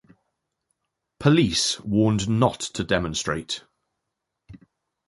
Police warned not to demonstrate.